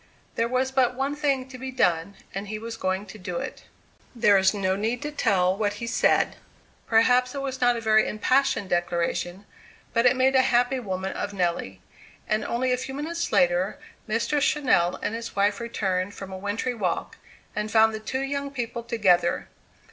There was but one thing to be done, and he was going to do it. There is no need to tell what he said. Perhaps it was not a very impassioned declaration; but it made a happy woman of Nelly. And only a few minutes later Mr. Channell and his wife returned from a wintry walk, and found the two young people together.